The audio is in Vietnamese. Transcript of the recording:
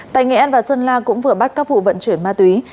tại nghệ an và sơn la cũng vừa bắt các vụ vận chuyển ma túy